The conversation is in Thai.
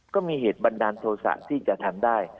ก็มีเหตุบันดาลโทษะที่จะทำได้